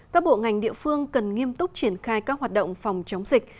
các bộ ngành địa phương cần nghiêm túc triển khai các hoạt động phòng chống dịch